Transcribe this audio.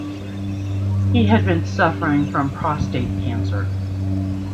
He had been suffering from prostate cancer.